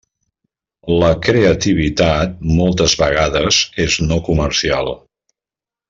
La creativitat moltes vegades és no comercial.